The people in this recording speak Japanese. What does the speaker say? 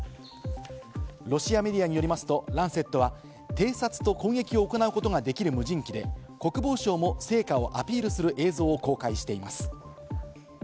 ロシアメディアによりますとランセットは偵察と攻撃を行うことができる無人機で国防省も成果をアピールする映像を公開しています。